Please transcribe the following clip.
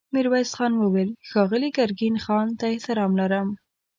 ميرويس خان وويل: ښاغلي ګرګين خان ته احترام لرم.